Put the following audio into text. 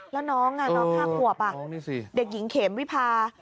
แล้วน้องน้อง๕ขวบเด็กหญิงเขมวิพา